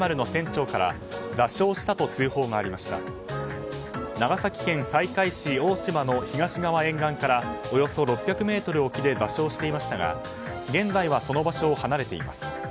長崎県西海市大島の東側沿岸からおよそ６００ｍ沖で座礁していましたが現在は、その場所を離れています。